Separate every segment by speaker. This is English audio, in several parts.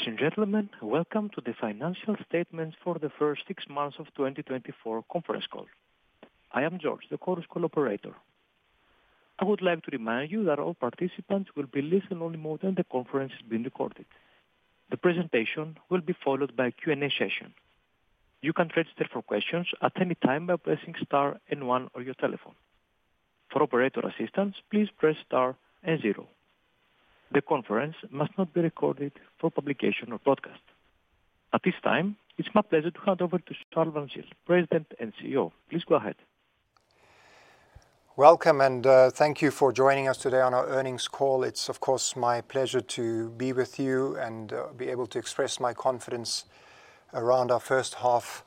Speaker 1: Ladies and gentlemen, welcome to the financial statements for the first six months of 2024 conference call. I am George, the conference call operator. I would like to remind you that all participants will be in listen-only mode and the conference is being recorded. The presentation will be followed by a Q&A session. You can register for questions at any time by pressing star and one on your telephone. For operator assistance, please press star and zero. The conference must not be recorded for publication or broadcast. At this time, it's my pleasure to hand over to Charl van Zyl, President and CEO. Please go ahead.
Speaker 2: Welcome, and thank you for joining us today on our earnings call. It's, of course, my pleasure to be with you and be able to express my confidence around our first half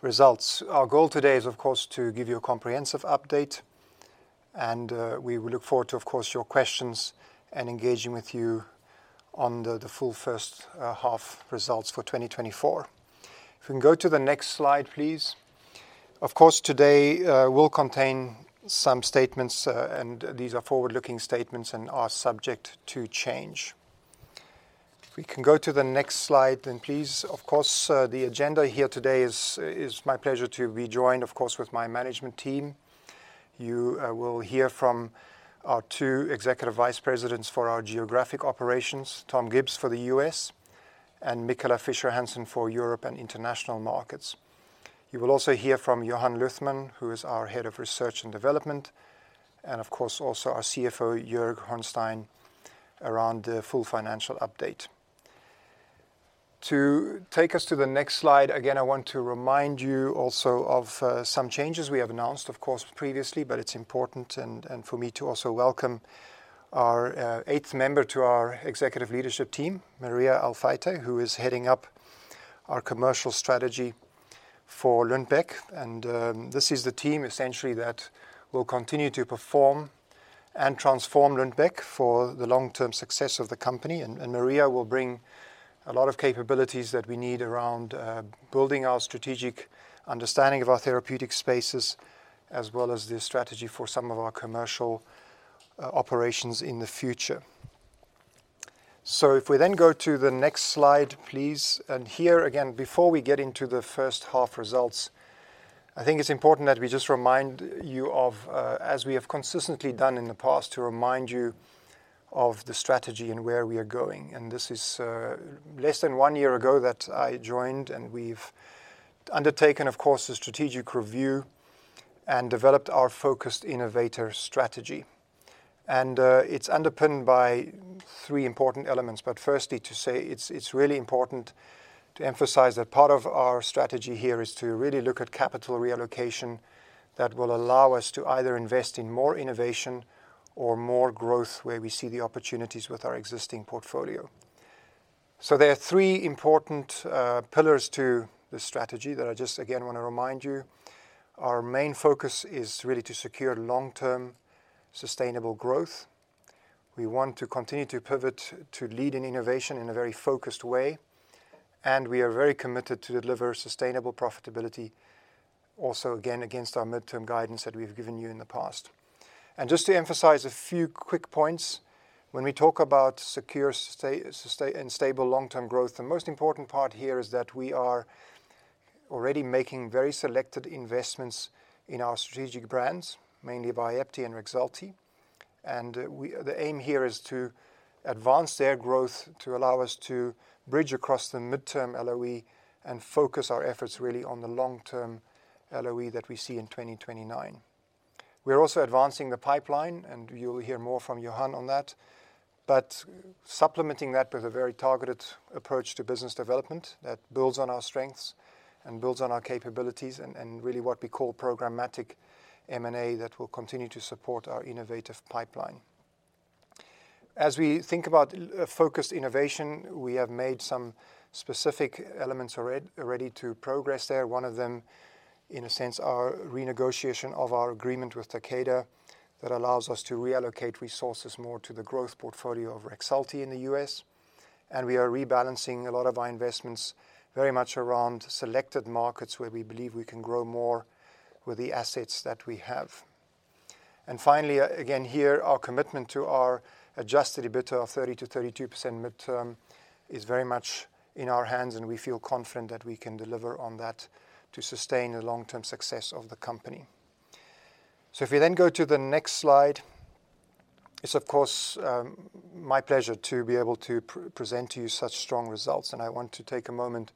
Speaker 2: results. Our goal today is, of course, to give you a comprehensive update, and we look forward to, of course, your questions and engaging with you on the full first half results for 2024. If we can go to the next slide, please. Of course, today will contain some statements, and these are forward-looking statements and are subject to change. If we can go to the next slide, then please. Of course, the agenda here today is my pleasure to be joined, of course, with my management team. You will hear from our two Executive Vice Presidents for our geographic operations, Tom Gibbs for the U.S. and Michala Fischer-Hansen for Europe and International Markets. You will also hear from Johan Luthman, who is our Head of Research and Development, and of course, also our CFO, Joerg Hornstein, around the full financial update. To take us to the next slide, again, I want to remind you also of some changes we have announced, of course, previously, but it's important and for me to also welcome our eighth member to our executive leadership team, Maria Alfaiate, who is heading up our commercial strategy for Lundbeck, and this is the team essentially that will continue to perform and transform Lundbeck for the long-term success of the company. Maria will bring a lot of capabilities that we need around building our strategic understanding of our therapeutic spaces, as well as the strategy for some of our commercial operations in the future. So if we then go to the next slide, please, and here again, before we get into the first half results, I think it's important that we just remind you of as we have consistently done in the past, to remind you of the strategy and where we are going. This is less than one year ago that I joined, and we've undertaken, of course, a strategic review and developed our focused innovator strategy. It's underpinned by three important elements. But firstly, to say, it's really important to emphasize that part of our strategy here is to really look at capital reallocation that will allow us to either invest in more innovation or more growth, where we see the opportunities with our existing portfolio. So there are three important pillars to this strategy that I just, again, want to remind you. Our main focus is really to secure long-term, sustainable growth. We want to continue to pivot to lead in innovation in a very focused way, and we are very committed to deliver sustainable profitability also, again, against our midterm guidance that we've given you in the past. Just to emphasize a few quick points, when we talk about secure and stable long-term growth, the most important part here is that we are already making very selected investments in our strategic brands, mainly Vyepti and Rexulti. The aim here is to advance their growth to allow us to bridge across the midterm LOE and focus our efforts really on the long-term LOE that we see in 2029. We are also advancing the pipeline, and you will hear more from Johan on that. But supplementing that with a very targeted approach to business development that builds on our strengths and builds on our capabilities and really what we call programmatic M&A that will continue to support our innovative pipeline. As we think about focused innovation, we have made some specific elements are ready to progress there. One of them, in a sense, our renegotiation of our agreement with Takeda, that allows us to reallocate resources more to the growth portfolio of Rexulti in the US. And we are rebalancing a lot of our investments very much around selected markets where we believe we can grow more with the assets that we have. And finally, again, here, our commitment to our adjusted EBITDA of 30%-32% midterm is very much in our hands, and we feel confident that we can deliver on that to sustain the long-term success of the company. So if we then go to the next slide, it's of course, my pleasure to be able to present to you such strong results. I want to take a moment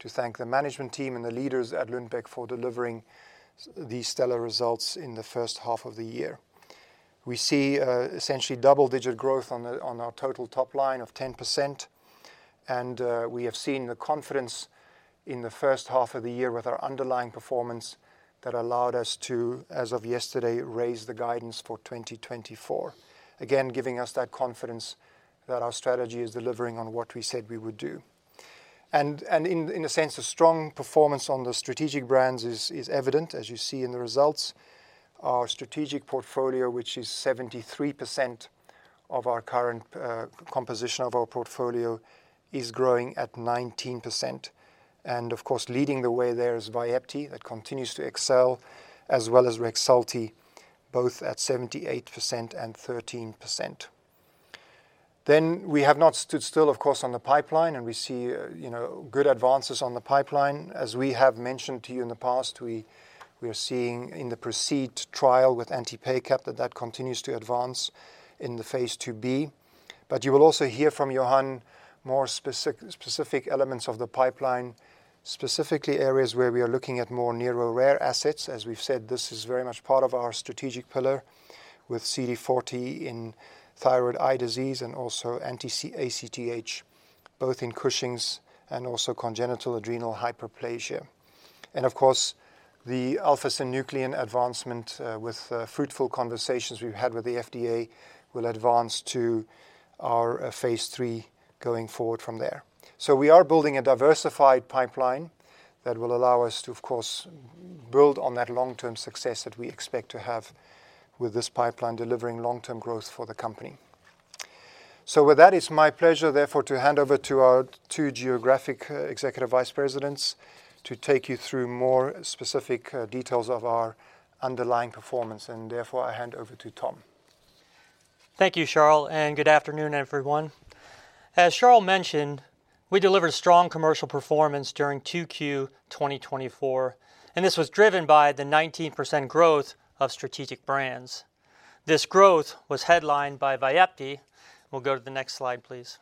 Speaker 2: to thank the management team and the leaders at Lundbeck for delivering these stellar results in the first half of the year. We see essentially double-digit growth on our total top line of 10%, and we have seen the confidence in the first half of the year with our underlying performance that allowed us to, as of yesterday, raise the guidance for 2024. Again, giving us that confidence that our strategy is delivering on what we said we would do. In a sense, a strong performance on the strategic brands is evident, as you see in the results. Our strategic portfolio, which is 73% of our current composition of our portfolio, is growing at 19%. Of course, leading the way there is Vyepti, that continues to excel, as well as Rexulti, both at 78% and 13%. Then we have not stood still, of course, on the pipeline, and we see, you know, good advances on the pipeline. As we have mentioned to you in the past, we are seeing in the PROCEED trial with anti-PACAP, that that continues to advance in the phase IIb. But you will also hear from Johan more specific elements of the pipeline, specifically areas where we are looking at more neuro rare assets. As we've said, this is very much part of our strategic pillar with CD40 in thyroid eye disease and also anti-ACTH, both in Cushing's and also congenital adrenal hyperplasia. And of course, the alpha-synuclein advancement, with fruitful conversations we've had with the FDA, will advance to our phase III going forward from there. So we are building a diversified pipeline that will allow us to, of course, build on that long-term success that we expect to have with this pipeline, delivering long-term growth for the company. So with that, it's my pleasure, therefore, to hand over to our two geographic executive vice presidents to take you through more specific details of our underlying performance, and therefore, I hand over to Tom.
Speaker 3: Thank you, Charl, and good afternoon, everyone. As Charl mentioned, we delivered strong commercial performance during 2Q 2024, and this was driven by the 19% growth of strategic brands. This growth was headlined by Vyepti. We'll go to the next slide, please.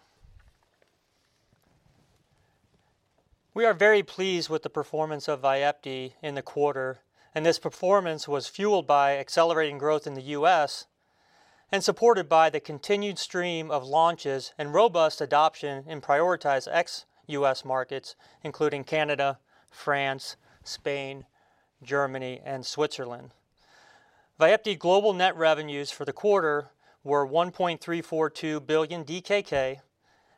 Speaker 3: We are very pleased with the performance of Vyepti in the quarter, and this performance was fueled by accelerating growth in the U.S. and supported by the continued stream of launches and robust adoption in prioritized ex-U.S. markets, including Canada, France, Spain, Germany, and Switzerland. Vyepti global net revenues for the quarter were 1.342 billion DKK,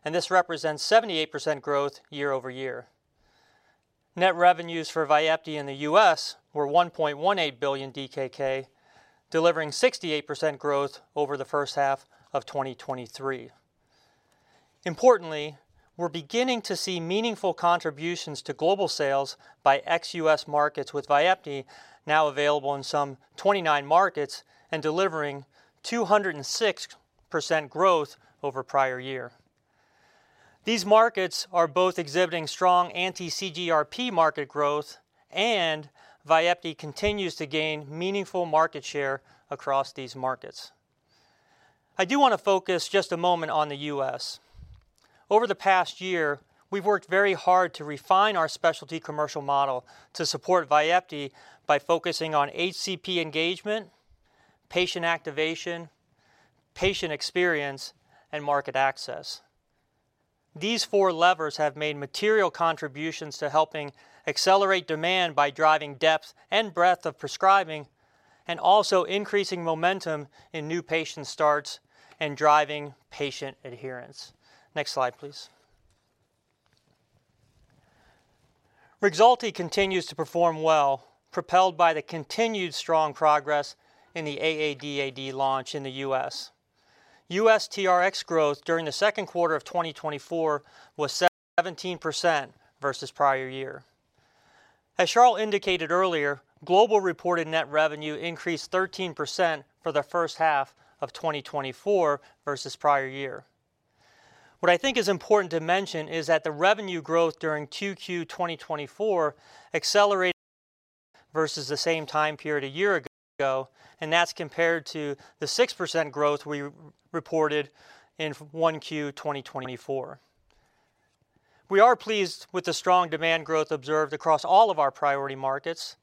Speaker 3: and this represents 78% growth year over year. Net revenues for Vyepti in the U.S. were 1.18 billion DKK, delivering 68% growth over the first half of 2023.
Speaker 2: Importantly, we're beginning to see meaningful contributions to global sales by ex-U.S. markets, with Vyepti now available in some 29 markets and delivering 206% growth over prior year. These markets are both exhibiting strong anti-CGRP market growth, and Vyepti continues to gain meaningful market share across these markets. I do want to focus just a moment on the U.S. Over the past year, we've worked very hard to refine our specialty commercial model to support Vyepti by focusing on HCP engagement, patient activation, patient experience, and market access. These four levers have made material contributions to helping accelerate demand by driving depth and breadth of prescribing and also increasing momentum in new patient starts and driving patient adherence. Next slide, please. Rexulti continues to perform well, propelled by the continued strong progress in the AADAD launch in the U.S. U.S. TRx growth during the second quarter of 2024 was 17% versus prior year. As Charl indicated earlier, global reported net revenue increased 13% for the first half of 2024 versus prior year. What I think is important to mention is that the revenue growth during Q2 2024 accelerated versus the same time period a year ago, and that's compared to the 6% growth we reported in 1Q 2024. We are pleased with the strong demand growth observed across all of our priority markets.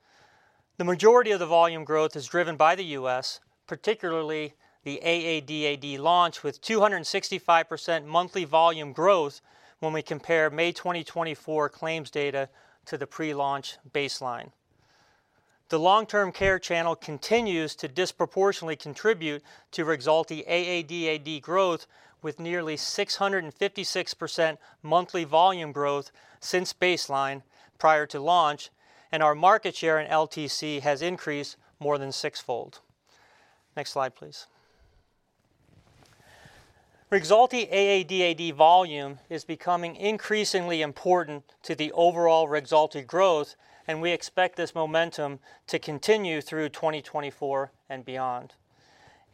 Speaker 2: The majority of the volume growth is driven by the U.S., particularly the AADAD launch, with 265% monthly volume growth when we compare May 2024 claims data to the pre-launch baseline. The long-term care channel continues to disproportionately contribute to Rexulti AADAD growth, with nearly 656% monthly volume growth since baseline prior to launch, and our market share in LTC has increased more than sixfold. Next slide, please. Rexulti AADAD volume is becoming increasingly important to the overall Rexulti growth, and we expect this momentum to continue through 2024 and beyond.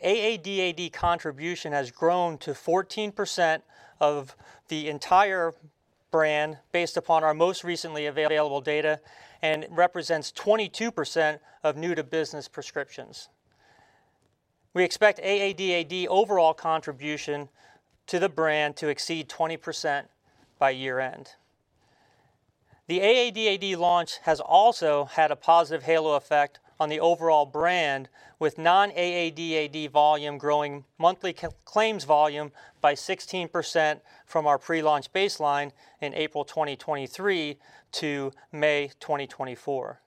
Speaker 2: AADAD contribution has grown to 14% of the entire brand based upon our most recently available data and represents 22% of new-to-business prescriptions. We expect AADAD overall contribution to the brand to exceed 20% by year-end. The AADAD launch has also had a positive halo effect on the overall brand, with non-AADAD volume growing monthly claims volume by 16% from our pre-launch baseline in April 2023 to May 2024.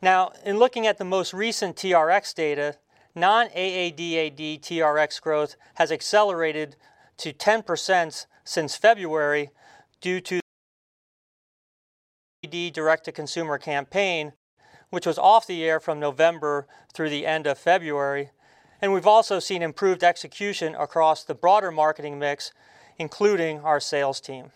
Speaker 2: Now, in looking at the most recent TRx data, non-AADAD TRx growth has accelerated to 10% since February due to direct-to-consumer campaign, which was off the air from November through the end of February, and we've also seen improved execution across the broader marketing mix, including our sales team.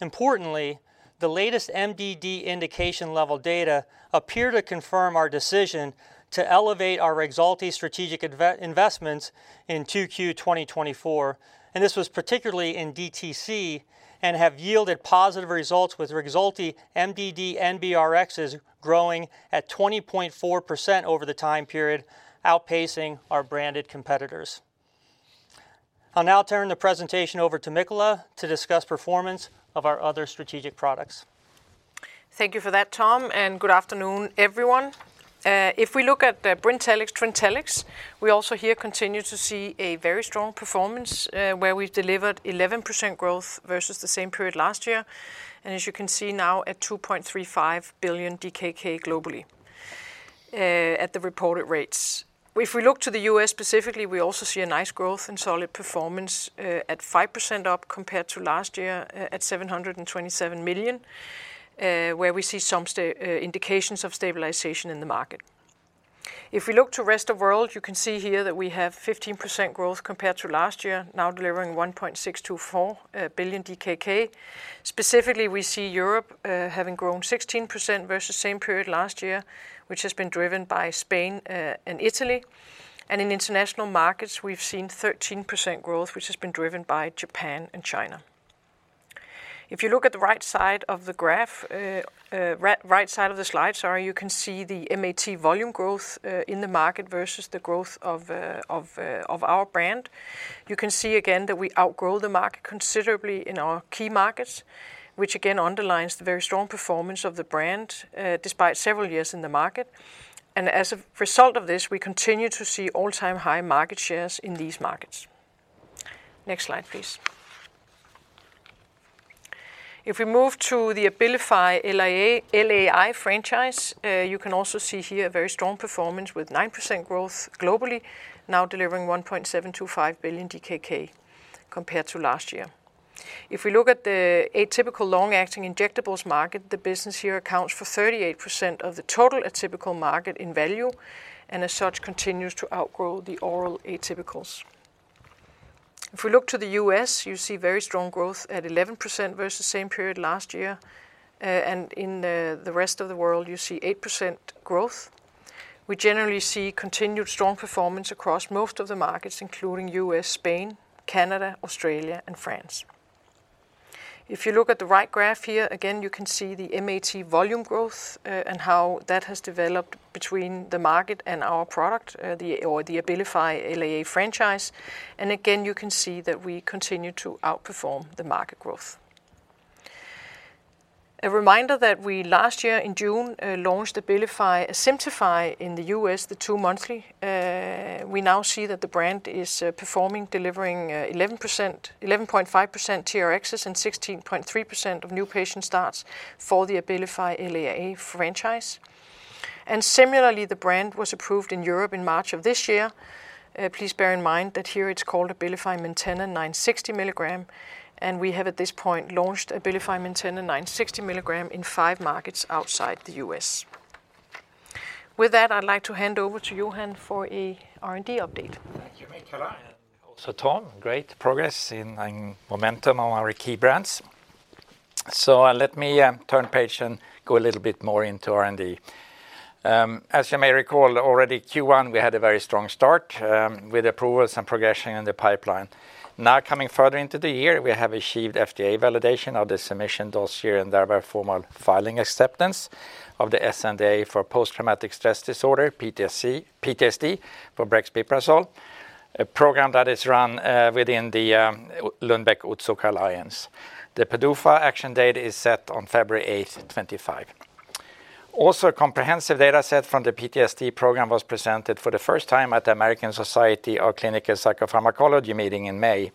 Speaker 2: Importantly, the latest MDD indication level data appear to confirm our decision to elevate our Rexulti strategic investments in 2Q 2024, and this was particularly in DTC, and have yielded positive results with Rexulti, MDD and TRx growing at 20.4% over the time period, outpacing our branded competitors. I'll now turn the presentation over to Michala to discuss performance of our other strategic products.
Speaker 4: Thank you for that, Tom, and good afternoon, everyone. If we look at the Brintellix/Trintellix, we also here continue to see a very strong performance, where we've delivered 11% growth versus the same period last year. As you can see now, at 2.35 billion DKK globally, at the reported rates. If we look to the U.S. specifically, we also see a nice growth and solid performance, at 5% up compared to last year, at 727 million, where we see some indications of stabilization in the market. If we look to rest of world, you can see here that we have 15% growth compared to last year, now delivering 1.624 billion DKK.
Speaker 2: Specifically, we see Europe having grown 16% versus same period last year, which has been driven by Spain and Italy. And in international markets, we've seen 13% growth, which has been driven by Japan and China. If you look at the right side of the graph, right side of the slide, sorry, you can see the MAT volume growth in the market versus the growth of our brand. You can see again that we outgrow the market considerably in our key markets, which again underlines the very strong performance of the brand despite several years in the market. And as a result of this, we continue to see all-time high market shares in these markets. Next slide, please. If we move to the Abilify LAI franchise, you can also see here a very strong performance with 9% growth globally, now delivering 1.725 billion DKK compared to last year. If we look at the atypical long-acting injectables market, the business here accounts for 38% of the total atypical market in value, and as such, continues to outgrow the oral atypicals. If we look to the U.S., you see very strong growth at 11% versus same period last year, and in the rest of the world, you see 8% growth. We generally see continued strong performance across most of the markets, including U.S., Spain, Canada, Australia, and France. If you look at the right graph here, again, you can see the MAT volume growth, and how that has developed between the market and our product, the or the Abilify LAI franchise, and again, you can see that we continue to outperform the market growth. A reminder that we last year in June launched Abilify Asimtufii in the U.S., the two-monthly. We now see that the brand is performing, delivering 11.5% TRXs, and 16.3% of new patient starts for the Abilify LAI franchise, and similarly, the brand was approved in Europe in March of this year. Please bear in mind that here it's called Abilify Maintena 960 milligram, and we have at this point launched Abilify Maintena 960 milligram in five markets outside the U.S. With that, I'd like to hand over to Johan for a R&D update.
Speaker 5: Thank you, Michala, and also Tom. Great progress in and momentum on our key brands. So, let me turn page and go a little bit more into R&D. As you may recall already, Q1, we had a very strong start with approvals and progression in the pipeline. Now, coming further into the year, we have achieved FDA validation of the submission dossier, and thereby formal filing acceptance of the NDA for post-traumatic stress disorder, PTSD, for brexpiprazole, a program that is run within the Lundbeck-Otsuka Alliance. The PDUFA action date is set on February 8th, 2025. Also, a comprehensive data set from the PTSD program was presented for the first time at the American Society of Clinical Psychopharmacology meeting in May.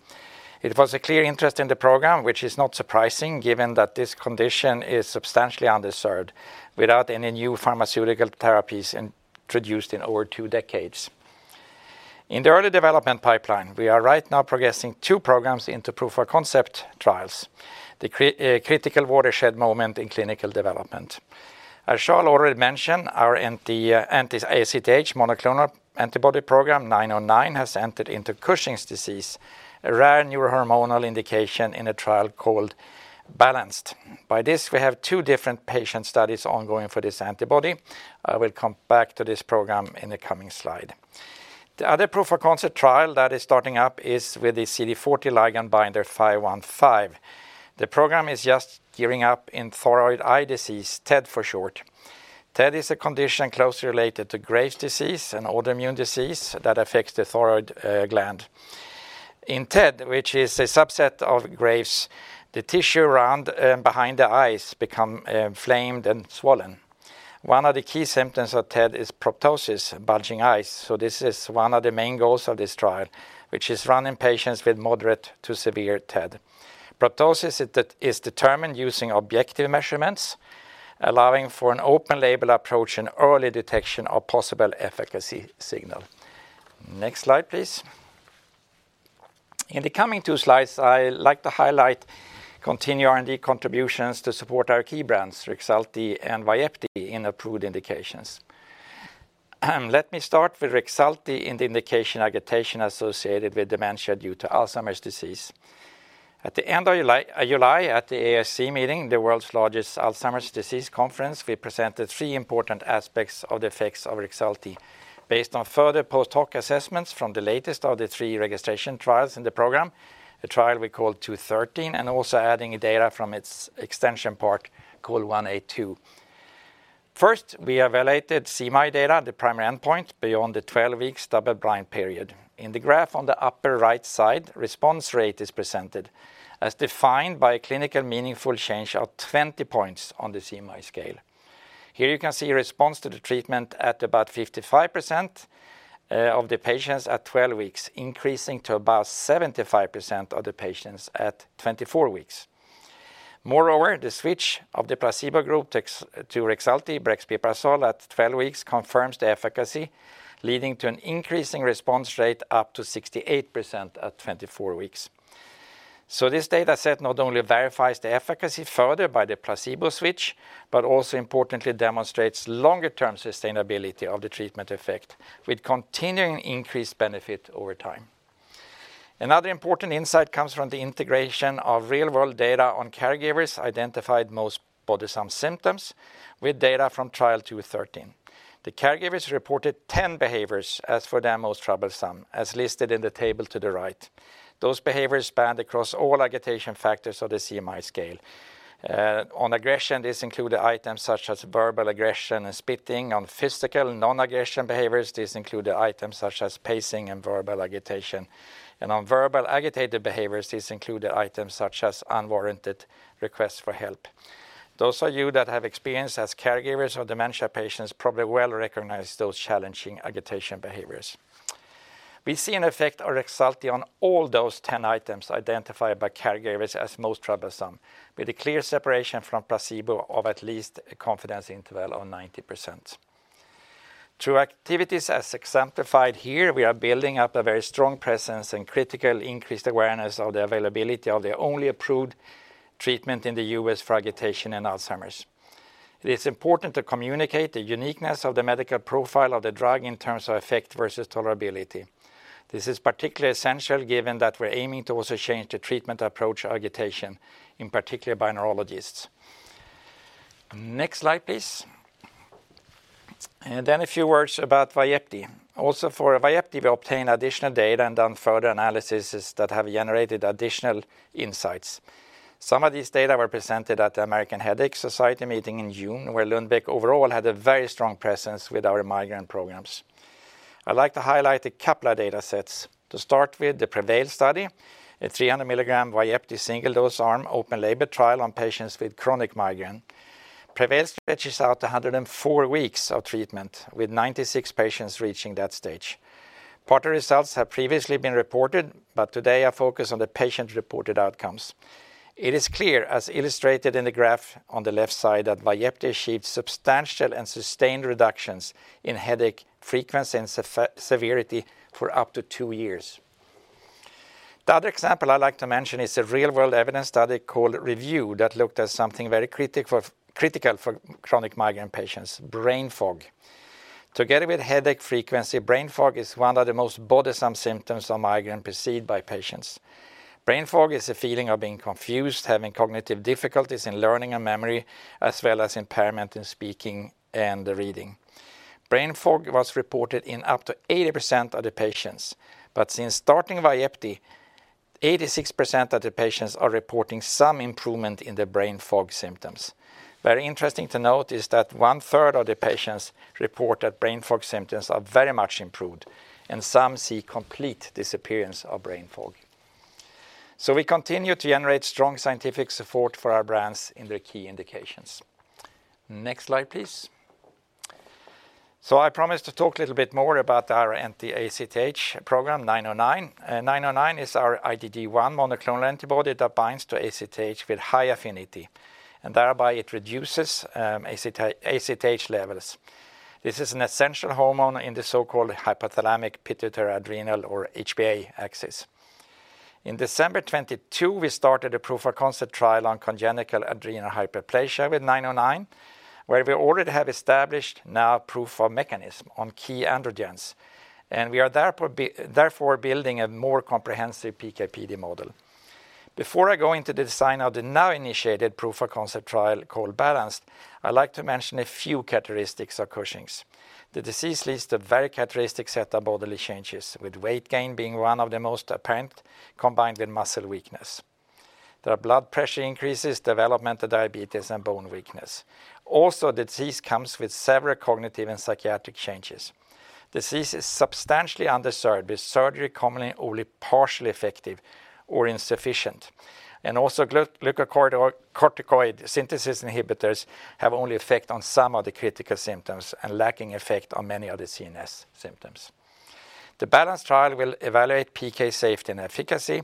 Speaker 5: It was a clear interest in the program, which is not surprising, given that this condition is substantially underserved, without any new pharmaceutical therapies introduced in over two decades. In the early development pipeline, we are right now progressing two programs into proof-of-concept trials, the critical watershed moment in clinical development. As Charl already mentioned, our anti-ACTH monoclonal antibody program 909 has entered into Cushing's disease, a rare neurohormonal indication in a trial called BALANCED. By this, we have two different patient studies ongoing for this antibody. I will come back to this program in the coming slide. The other proof-of-concept trial that is starting up is with the CD40 ligand binder 515. The program is just gearing up in thyroid eye disease, TED for short.
Speaker 2: TED is a condition closely related to Graves' disease, an autoimmune disease that affects the thyroid gland. In TED, which is a subset of Graves, the tissue around behind the eyes become inflamed and swollen. One of the key symptoms of TED is proptosis, bulging eyes, so this is one of the main goals of this trial, which is run in patients with moderate to severe TED. Proptosis is determined using objective measurements, allowing for an open label approach and early detection of possible efficacy signal. Next slide, please. In the coming two slides, I like to highlight continued R&D contributions to support our key brands, Rexulti and Vyepti, in approved indications. Let me start with Rexulti in the indication agitation associated with dementia due to Alzheimer's disease. At the end of July at the AAIC meeting, the world's largest Alzheimer's disease conference, we presented three important aspects of the effects of Rexulti. Based on further post-hoc assessments from the latest of the three registration trials in the program, the trial we call 213, and also adding data from its extension part, called 1A2. First, we evaluated CMAI data, the primary endpoint, beyond the 12-week double blind period. In the graph on the upper right side, response rate is presented as defined by a clinically meaningful change of 20 points on the CMAI scale. Here you can see response to the treatment at about 55% of the patients at twelve weeks, increasing to about 75% of the patients at 24 weeks. Moreover, the switch of the placebo group to Rexulti brexpiprazole at 12 weeks confirms the efficacy, leading to an increasing response rate up to 68% at 24 weeks. So this data set not only verifies the efficacy further by the placebo switch, but also importantly demonstrates longer term sustainability of the treatment effect, with continuing increased benefit over time. Another important insight comes from the integration of real-world data on caregivers identified most bothersome symptoms with data from trial 213. The caregivers reported 10 behaviors as for their most troublesome, as listed in the table to the right. Those behaviors spanned across all agitation factors of the CMAI scale. On aggression, this included items such as verbal aggression and spitting. On physical non-aggression behaviors, this included items such as pacing and verbal agitation. And on verbal agitated behaviors, this included items such as unwarranted requests for help. Those of you that have experience as caregivers of dementia patients probably well recognize those challenging agitation behaviors. We see an effect of Rexulti on all those ten items identified by caregivers as most troublesome, with a clear separation from placebo of at least a confidence interval of 90%. Through activities as exemplified here, we are building up a very strong presence and critical increased awareness of the availability of the only approved treatment in the U.S. for agitation in Alzheimer's. It is important to communicate the uniqueness of the medical profile of the drug in terms of effect versus tolerability. This is particularly essential, given that we're aiming to also change the treatment approach to agitation, in particular by neurologists. Next slide, please. And then a few words about Vyepti. Also, for Vyepti, we obtained additional data and done further analysis that have generated additional insights. Some of these data were presented at the American Headache Society meeting in June, where Lundbeck overall had a very strong presence with our migraine programs. I'd like to highlight a couple of data sets. To start with, the PREVAIL study, a 300-milligram Vyepti single-dose arm open label trial on patients with chronic migraine. PREVAIL stretches out to 104 weeks of treatment, with 96 patients reaching that stage. Part of the results have previously been reported, but today I focus on the patient-reported outcomes. It is clear, as illustrated in the graph on the left side, that Vyepti achieved substantial and sustained reductions in headache frequency and severity for up to two years. The other example I'd like to mention is a real-world evidence study called REVIEW that looked at something very critical for chronic migraine patients, brain fog. Together with headache frequency, brain fog is one of the most bothersome symptoms of migraine perceived by patients. Brain fog is a feeling of being confused, having cognitive difficulties in learning and memory, as well as impairment in speaking and reading. Brain fog was reported in up to 80% of the patients, but since starting Vyepti, 86% of the patients are reporting some improvement in their brain fog symptoms. Very interesting to note is that one-third of the patients report that brain fog symptoms are very much improved, and some see complete disappearance of brain fog. So we continue to generate strong scientific support for our brands in their key indications. Next slide, please. I promised to talk a little bit more about our anti-ACTH program, 909. 909 is our IgG1 monoclonal antibody that binds to ACTH with high affinity, and thereby it reduces ACTH levels. This is an essential hormone in the so-called hypothalamic pituitary adrenal, or HPA, axis. In December 2022, we started a proof of concept trial on congenital adrenal hyperplasia with 909, where we already have established now proof of mechanism on key androgens, and we are therefore building a more comprehensive PK/PD model. Before I go into the design of the now-initiated proof of concept trial called BALANCED, I'd like to mention a few characteristics of Cushing's. The disease leads to very characteristic set of bodily changes, with weight gain being one of the most apparent, combined with muscle weakness. There are blood pressure increases, development of diabetes, and bone weakness. Also, the disease comes with several cognitive and psychiatric changes. The disease is substantially underserved, with surgery commonly only partially effective or insufficient, and also, glucocorticoid synthesis inhibitors have only effect on some of the critical symptoms, and lacking effect on many of the CNS symptoms. The BALANCED trial will evaluate PK safety and efficacy.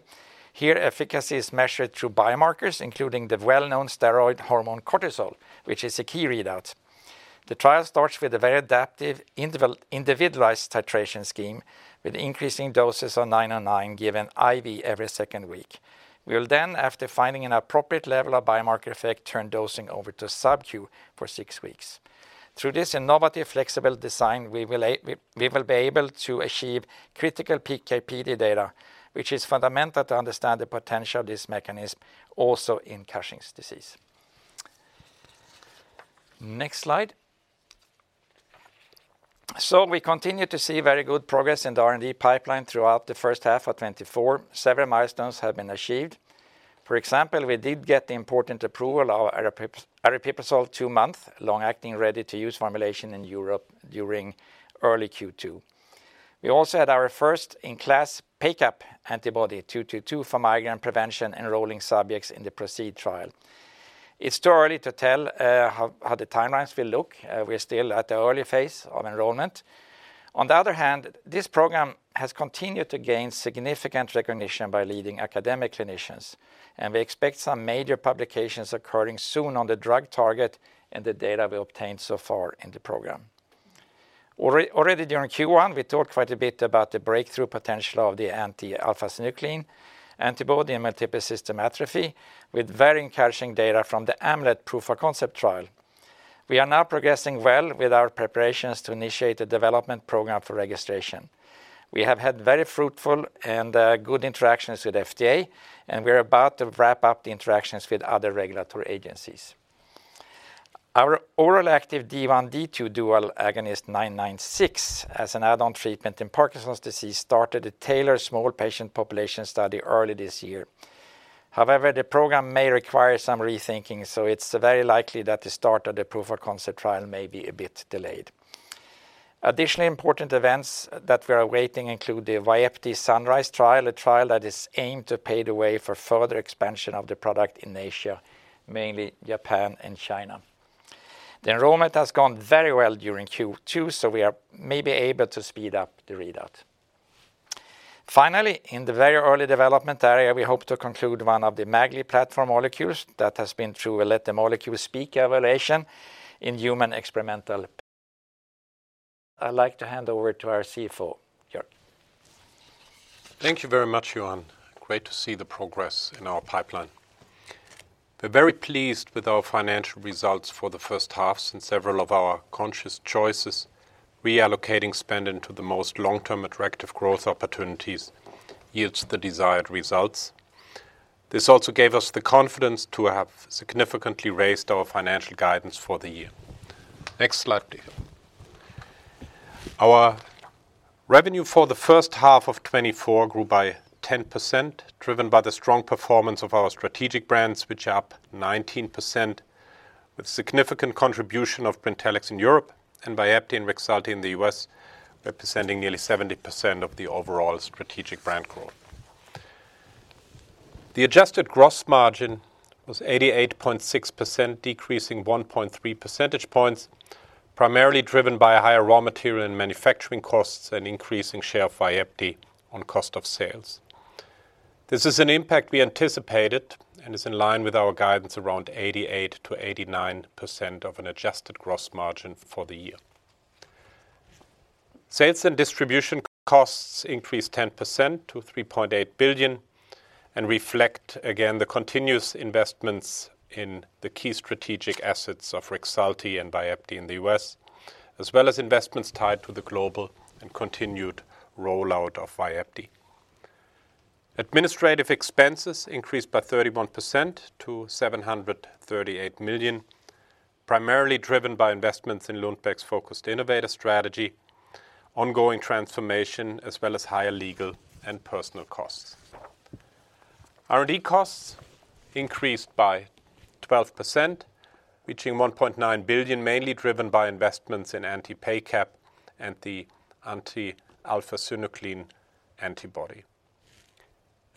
Speaker 2: Here, efficacy is measured through biomarkers, including the well-known steroid hormone cortisol, which is a key readout. The trial starts with a very adaptive interval, individualized titration scheme, with increasing doses of 909, given IV every second week. We will then, after finding an appropriate level of biomarker effect, turn dosing over to SubQ for six weeks. Through this innovative, flexible design, we will be able to achieve critical PK/PD data, which is fundamental to understand the potential of this mechanism also in Cushing's disease. Next slide. So we continue to see very good progress in the R&D pipeline throughout the first half of 2024. Several milestones have been achieved. For example, we did get the important approval of Abilify Asimtufii two-month long-acting, ready-to-use formulation in Europe during early Q2. We also had our first-in-class PACAP antibody, 222, for migraine prevention, enrolling subjects in the PROCEED trial. It's too early to tell how the timelines will look. We're still at the early phase of enrollment. On the other hand, this program has continued to gain significant recognition by leading academic clinicians, and we expect some major publications occurring soon on the drug target and the data we obtained so far in the program. Already during Q1, we talked quite a bit about the breakthrough potential of the anti-alpha-synuclein antibody in multiple system atrophy, with very encouraging data from the AMULET proof of concept trial. We are now progressing well with our preparations to initiate a development program for registration. We have had very fruitful and good interactions with FDA, and we're about to wrap up the interactions with other regulatory agencies. Our oral active D1/D2 dual agonist, 996, as an add-on treatment in Parkinson's disease, started a tailored small patient population study early this year. However, the program may require some rethinking, so it's very likely that the start of the proof of concept trial may be a bit delayed. Additionally, important events that we are awaiting include the Vyepti SUNRISE trial, a trial that is aimed to pave the way for further expansion of the product in Asia, mainly Japan and China. The enrollment has gone very well during Q2, so we are maybe able to speed up the readout. Finally, in the very early development area, we hope to conclude one of the MAGLi platform molecules that has been through a Let the Molecule Speak evaluation in human experimental. I'd like to hand over to our CFO, Joerg.
Speaker 6: Thank you very much, Johan. Great to see the progress in our pipeline. We're very pleased with our financial results for the first half, since several of our conscious choices, reallocating spend into the most long-term attractive growth opportunities, yields the desired results. This also gave us the confidence to have significantly raised our financial guidance for the year. Next slide, please. Our revenue for the first half of 2024 grew by 10%, driven by the strong performance of our strategic brands, which are up 19%, with significant contribution of Brintellix in Europe and Vyepti and Rexulti in the U.S., representing nearly 70% of the overall strategic brand growth. The adjusted gross margin was 88.6%, decreasing 1.3 percentage points, primarily driven by higher raw material and manufacturing costs and increasing share of Vyepti on cost of sales.
Speaker 2: This is an impact we anticipated and is in line with our guidance around 88%-89% of an adjusted gross margin for the year. Sales and distribution costs increased 10% to 3.8 billion and reflect again the continuous investments in the key strategic assets of Rexulti and Vyepti in the U.S., as well as investments tied to the global and continued rollout of Vyepti. Administrative expenses increased by 31% to 738 million, primarily driven by investments in Lundbeck's focused innovator strategy, ongoing transformation, as well as higher legal and personal costs. R&D costs increased by 12%, reaching 1.9 billion, mainly driven by investments in anti-PACAP and the anti-alpha-synuclein antibody.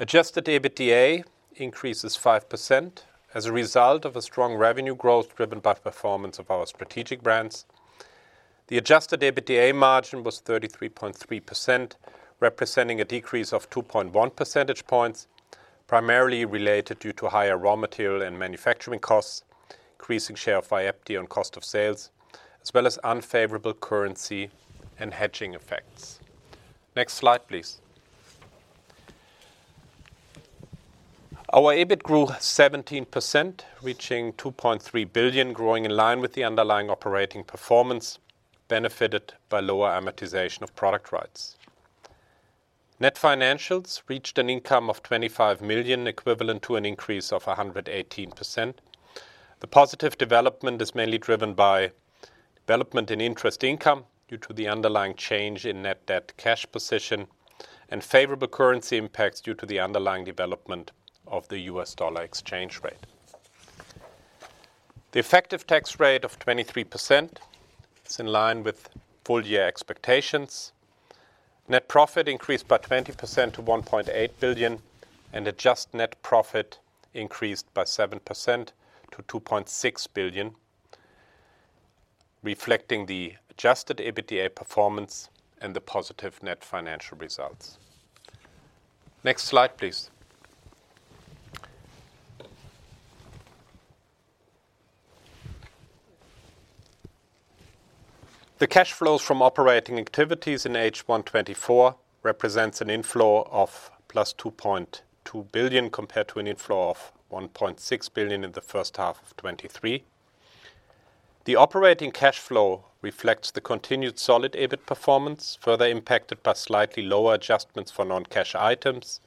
Speaker 2: Adjusted EBITDA increases 5% as a result of a strong revenue growth driven by performance of our strategic brands. The adjusted EBITDA margin was 33.3%, representing a decrease of 2.1 percentage points, primarily related due to higher raw material and manufacturing costs, increasing share of Vyepti on cost of sales, as well as unfavorable currency and hedging effects. Next slide, please. Our EBIT grew 17%, reaching 2.3 billion, growing in line with the underlying operating performance, benefited by lower amortization of product rights. Net financials reached an income of 25 million, equivalent to an increase of 118%. The positive development is mainly driven by development in interest income due to the underlying change in net debt cash position and favorable currency impacts due to the underlying development of the U.S. dollar exchange rate. The effective tax rate of 23% is in line with full year expectations. Net profit increased by 20% to 1.8 billion, and adjusted net profit increased by 7% to 2.6 billion, reflecting the adjusted EBITDA performance and the positive net financial results. Next slide, please. The cash flows from operating activities in H1 2024 represents an inflow of plus 2.2 billion, compared to an inflow of 1.6 billion in the first half of 2023. The operating cash flow reflects the continued solid EBIT performance, further impacted by slightly lower adjustments for non-cash items,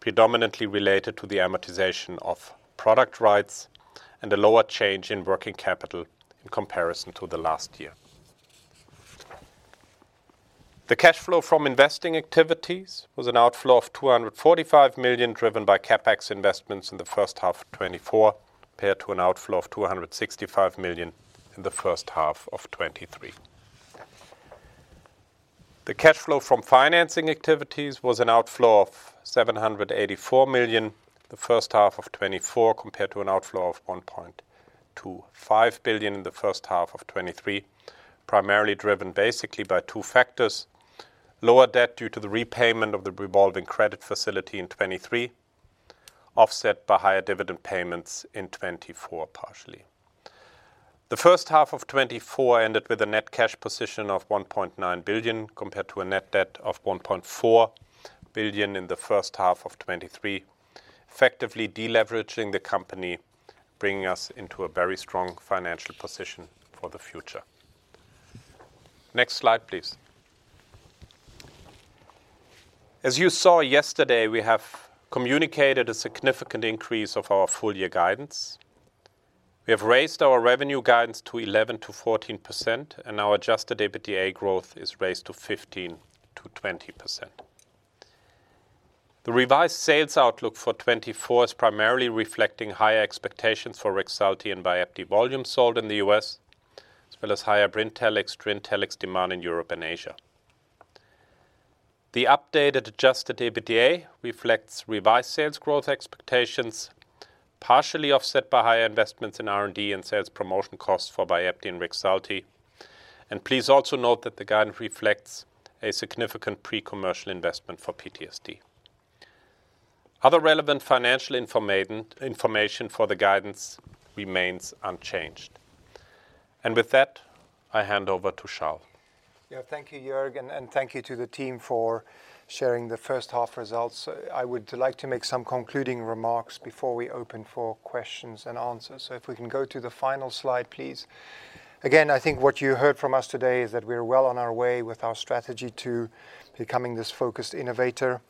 Speaker 2: predominantly related to the amortization of product rights and a lower change in working capital in comparison to the last year. The cash flow from investing activities was an outflow of 245 million, driven by CapEx investments in the first half of 2024, compared to an outflow of 265 million in the first half of 2023. The cash flow from financing activities was an outflow of 784 million in the first half of 2024, compared to an outflow of 1.25 billion in the first half of 2023, primarily driven basically by two factors: lower debt due to the repayment of the revolving credit facility in 2023, offset by higher dividend payments in 2024, partially. The first half of 2024 ended with a net cash position of 1.9 billion, compared to a net debt of 1.4 billion in the first half of 2023, effectively de-leveraging the company, bringing us into a very strong financial position for the future. Next slide, please. As you saw yesterday, we have communicated a significant increase of our full year guidance. We have raised our revenue guidance to 11%-14%, and our adjusted EBITDA growth is raised to 15%-20%. The revised sales outlook for 2024 is primarily reflecting higher expectations for Rexulti and Vyepti volume sold in the U.S., as well as higher Brintellix/Trintellix demand in Europe and Asia. The updated adjusted EBITDA reflects revised sales growth expectations, partially offset by higher investments in R&D and sales promotion costs for Vyepti and Rexulti. Please also note that the guidance reflects a significant pre-commercial investment for PTSD. Other relevant financial information for the guidance remains unchanged. With that, I hand over to Charl. Yeah, thank you, Joerg, and thank you to the team for sharing the first half results. I would like to make some concluding remarks before we open for questions and answers. So if we can go to the final slide, please. Again, I think what you heard from us today is that we are well on our way with our strategy to becoming this focused innovator.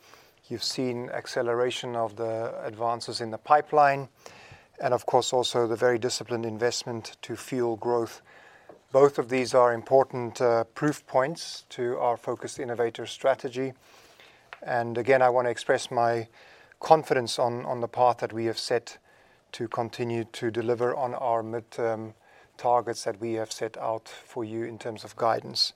Speaker 2: You've seen acceleration of the advances in the pipeline, and of course, also the very disciplined investment to fuel growth. Both of these are important proof points to our focused innovator strategy. And again, I want to express my confidence on the path that we have set to continue to deliver on our midterm targets that we have set out for you in terms of guidance.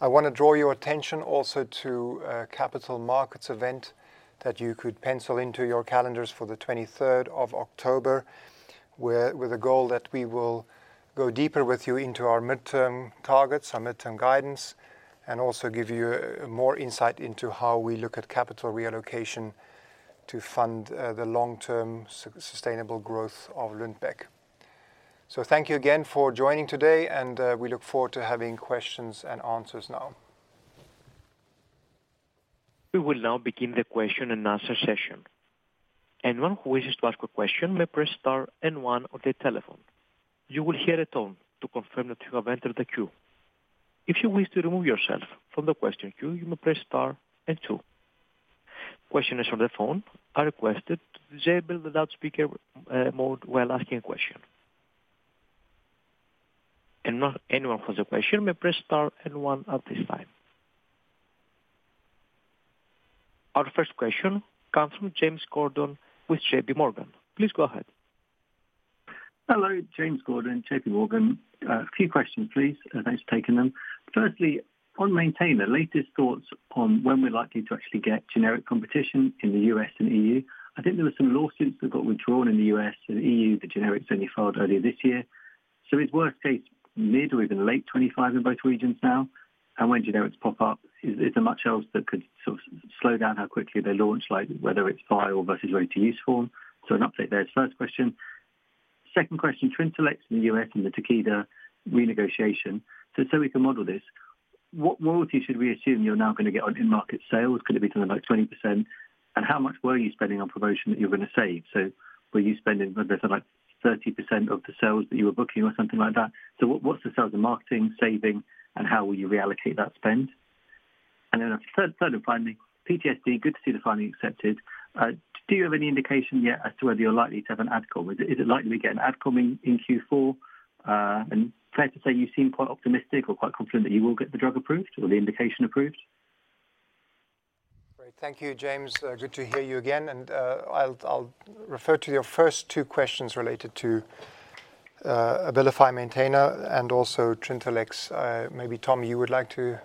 Speaker 2: I want to draw your attention also to a capital markets event that you could pencil into your calendars for the 23rd of October, where, with a goal that we will go deeper with you into our midterm targets, our midterm guidance, and also give you more insight into how we look at capital reallocation to fund the long-term sustainable growth of Lundbeck. So thank you again for joining today, and we look forward to having questions and answers now.
Speaker 1: We will now begin the question-and-answer session. Anyone who wishes to ask a question may press star and one on their telephone. You will hear a tone to confirm that you have entered the queue. If you wish to remove yourself from the question queue, you may press star and two. Questioners on the phone are requested to disable the loudspeaker mode while asking a question. And now anyone who has a question may press star and one at this time. Our first question comes from James Gordon with JPMorgan. Please go ahead.
Speaker 7: Hello, James Gordon, JPMorgan. A few questions, please. Thanks for taking them. Firstly, on Maintena, latest thoughts on when we're likely to actually get generic competition in the U.S. and EU. I think there were some lawsuits that got withdrawn in the U.S. and EU, the generics only filed earlier this year. So is worst case mid or even late 2025 in both regions now? And when generics pop up, is there much else that could sort of slow down how quickly they launch, like whether it's file versus right to use form? So an update there is the first question. Second question, Trintellix in the U.S. and the Takeda renegotiation. So we can model this, what royalty should we assume you're now gonna get on in-market sales? Could it be something like 20%?
Speaker 2: And how much were you spending on promotion that you're gonna save? Were you spending, let's say, like 30% of the sales that you were booking or something like that? So what, what's the sales and marketing saving, and how will you reallocate that spend? Then a third and finally, PTSD, good to see the filing finally accepted. Do you have any indication yet as to whether you're likely to have an AdCom? Is it likely to get an AdCom in Q4? And fair to say you seem quite optimistic or quite confident that you will get the drug approved or the indication approved? Great. Thank you, James. Good to hear you again, and I'll refer to your first two questions related to Abilify Maintena and also Trintellix. Maybe, Tom, you would like to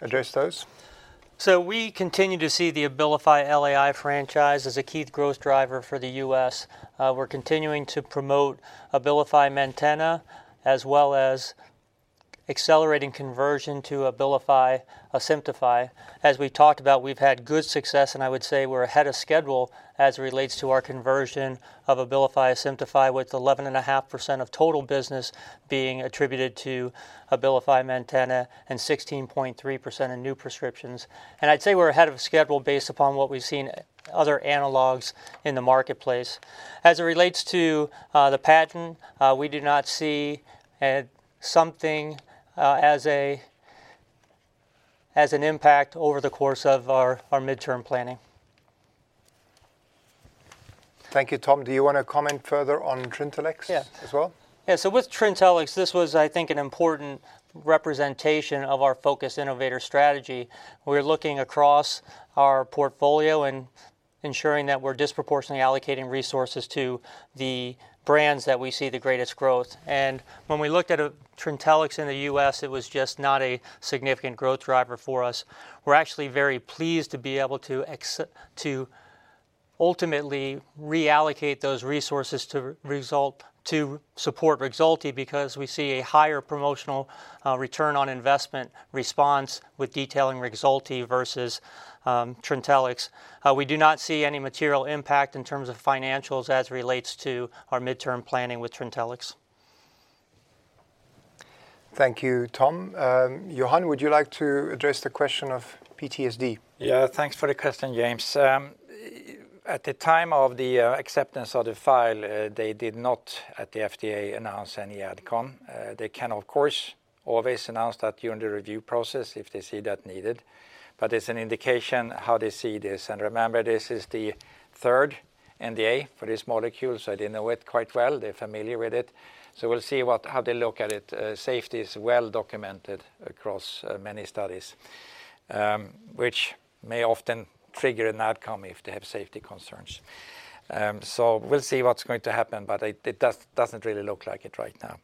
Speaker 2: address those?
Speaker 3: So we continue to see the Abilify LAI franchise as a key growth driver for the U.S. We're continuing to promote Abilify Maintena, as well as accelerating conversion to Abilify Asimtufii. As we talked about, we've had good success, and I would say we're ahead of schedule as it relates to our conversion of Abilify Asimtufii, with 11.5% of total business being attributed to Abilify Maintena, and 16.3% in new prescriptions. And I'd say we're ahead of schedule based upon what we've seen other analogs in the marketplace. As it relates to the patent, we do not see something as an impact over the course of our midterm planning.
Speaker 2: Thank you. Tom, do you want to comment further on Trintellix?
Speaker 3: Yeah.
Speaker 2: as well?
Speaker 3: Yeah, so with Trintellix, this was, I think, an important representation of our focus innovator strategy. We're looking across our portfolio and ensuring that we're disproportionately allocating resources to the brands that we see the greatest growth. And when we looked at Trintellix in the U.S., it was just not a significant growth driver for us. We're actually very pleased to be able to to ultimately reallocate those resources to support Rexulti, because we see a higher promotional return on investment response with detailing Rexulti versus Trintellix. We do not see any material impact in terms of financials as it relates to our midterm planning with Trintellix.
Speaker 2: Thank you, Tom. Johan, would you like to address the question of PTSD?
Speaker 5: Yeah, thanks for the question, James. At the time of the acceptance of the file, they did not, at the FDA, announce any AdCom. They can, of course, always announce that during the review process if they see that needed. But it's an indication how they see this. And remember, this is the third NDA for this molecule, so they know it quite well. They're familiar with it. So we'll see what, how they look at it. Safety is well documented across many studies, which may often trigger an outcome if they have safety concerns. So we'll see what's going to happen, but it doesn't really look like it right now.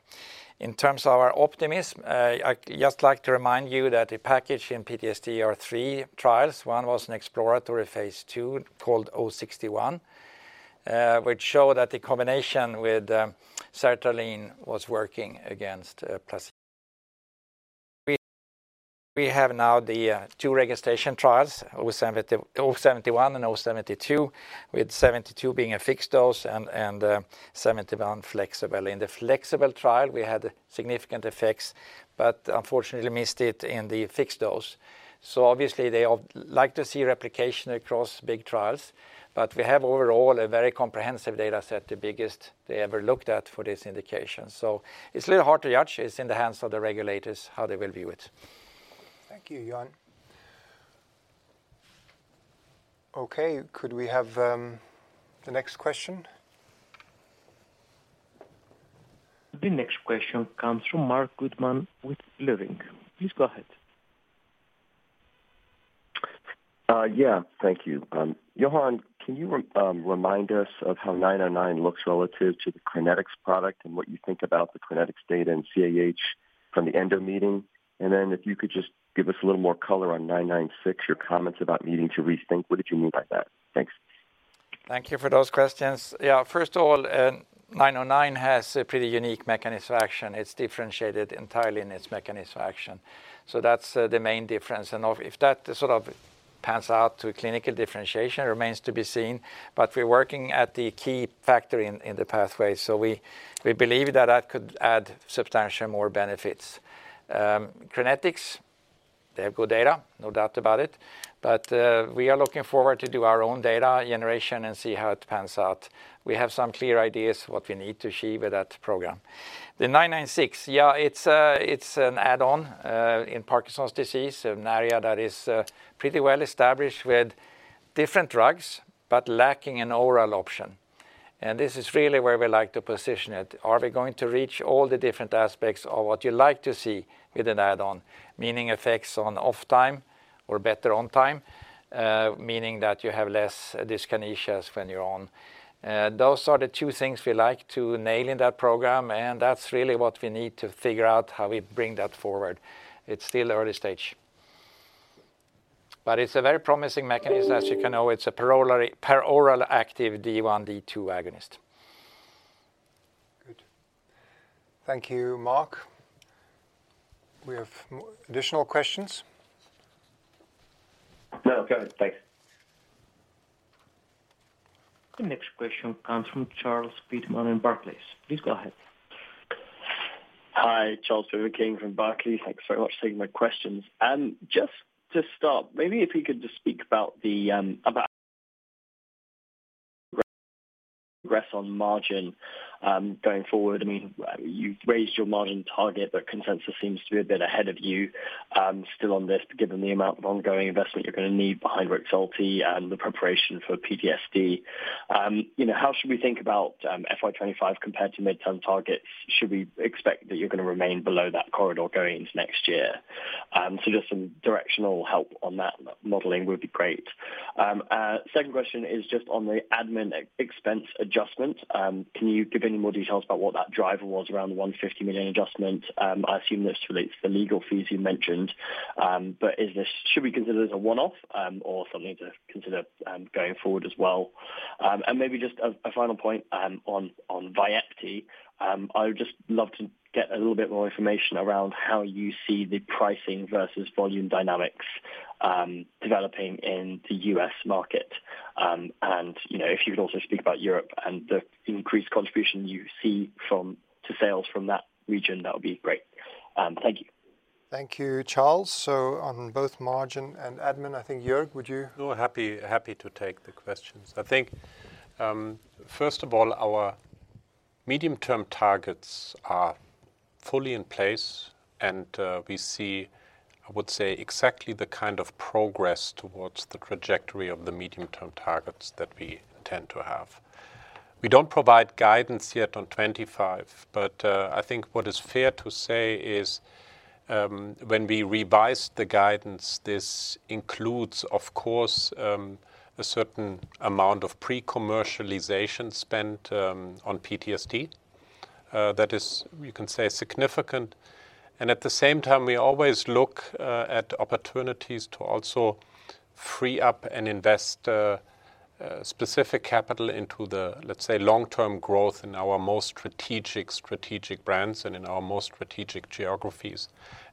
Speaker 5: In terms of our optimism, I'd just like to remind you that the package in PTSD are three trials.
Speaker 2: One was an exploratory phase II, called 061, which showed that the combination with sertraline was working against placebo. We have now the two registration trials, 071 and 072, with 72 being a fixed dose and 71 flexible. In the flexible trial, we had significant effects, but unfortunately missed it in the fixed dose. So obviously, they all like to see replication across big trials, but we have overall a very comprehensive data set, the biggest they ever looked at for this indication, so it's a little hard to judge. It's in the hands of the regulators, how they will view it. Thank you, Johan. Okay, could we have the next question?
Speaker 1: The next question comes from Marc Goodman with Leerink Partners. Please go ahead.
Speaker 8: Yeah, thank you. Johan, can you remind us of how 909 looks relative to the Crinetics product, and what you think about the Crinetics data and CAH from the Endo meeting? And then if you could just give us a little more color on 996, your comments about needing to rethink, what did you mean by that? Thanks.
Speaker 5: Thank you for those questions. Yeah, first of all, 909 has a pretty unique mechanism of action. It's differentiated entirely in its mechanism of action. So that's the main difference. And of if that sort of pans out to a clinical differentiation, remains to be seen. But we're working at the key factor in the pathway, so we believe that that could add substantially more benefits. Crinetics, they have good data, no doubt about it, but we are looking forward to do our own data generation and see how it pans out. We have some clear ideas what we need to achieve with that program. The 996, yeah, it's an add-on in Parkinson's disease, an area that is pretty well established with different drugs, but lacking an oral option.
Speaker 2: This is really where we like to position it. Are we going to reach all the different aspects of what you like to see with an add-on? Meaning effects on Off time or better On time, meaning that you have less dyskinesias when you're On. Those are the two things we like to nail in that program, and that's really what we need to figure out, how we bring that forward. It's still early stage. It's a very promising mechanism. As you can know, it's a peroral active D1, D2 agonist. Good. Thank you, Mark. We have more additional questions?
Speaker 8: No, okay. Thanks.
Speaker 1: The next question comes from Charles Pitman in Barclays. Please go ahead.
Speaker 9: Hi, Charles Pitman from Barclays. Thanks very much for taking my questions. Just to start, maybe if you could just speak about the about progress on margin going forward. I mean, you've raised your margin target, but consensus seems to be a bit ahead of you still on this, given the amount of ongoing investment you're going to need behind Rexulti and the preparation for PTSD. You know, how should we think about FY 2025 compared to midterm targets? Should we expect that you're going to remain below that corridor going into next year? So just some directional help on that modeling would be great.
Speaker 2: Second question is just on the admin expense adjustment. Can you give any more details about what that driver was around the 150 million adjustment? I assume this relates to the legal fees you mentioned. But is this should we consider this a one-off, or something to consider going forward as well? And maybe just a final point on Vyepti. I would just love to get a little bit more information around how you see the pricing versus volume dynamics developing in the U.S. market. And, you know, if you could also speak about Europe and the increased contribution you see from - to sales from that region, that would be great. Thank you. Thank you, Charles. So on both margin and admin, I think, Joerg, would you?
Speaker 6: Oh, happy to take the questions. I think, first of all, our medium-term targets are fully in place, and we see, I would say, exactly the kind of progress towards the trajectory of the medium-term targets that we intend to have. We don't provide guidance yet on 2025, but I think what is fair to say is, when we revised the guidance, this includes, of course, a certain amount of pre-commercialization spent on PTSD. That is, you can say, significant. And at the same time, we always look at opportunities to also free up and invest specific capital into the, let's say, long-term growth in our most strategic brands and in our most strategic geographies.